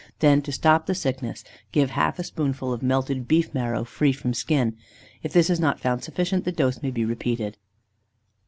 Then to stop the sickness, give half a spoonful of melted beef marrow free from skin. If this is not found sufficient, the dose may be repeated.